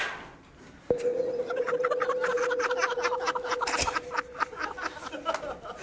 ハハハハ！